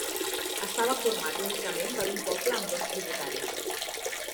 Estava format únicament per un poble amb dos tributaris.